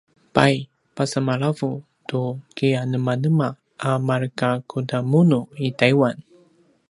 pay pasemalavu tu kianemanema a markakudamunu i taiwan?